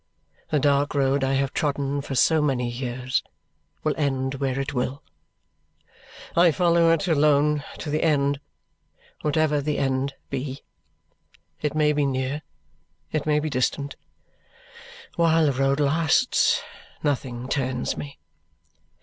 The dark road I have trodden for so many years will end where it will. I follow it alone to the end, whatever the end be. It may be near, it may be distant; while the road lasts, nothing turns me."